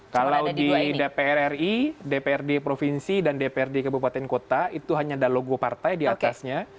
kalau di dpr ri dpr di provinsi dan dpr di kabupaten kota itu hanya ada logo partai di atasnya